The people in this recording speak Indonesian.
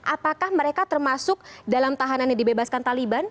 apakah mereka termasuk dalam tahanan yang dibebaskan taliban